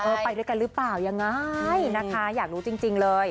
ไปด้วยกันหรือเปล่ายังไงนะคะอยากรู้จริงเลย